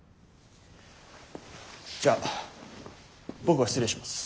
じゃあ僕は失礼します。